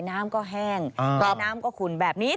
น้ำก็แห้งและน้ำก็ขุ่นแบบนี้